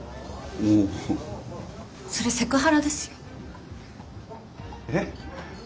おお。それセクハラですよ。え？